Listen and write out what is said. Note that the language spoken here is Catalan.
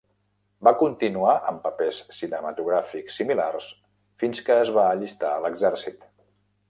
Va continuar amb papers cinematogràfics similars fins que es va allistar a l'exèrcit.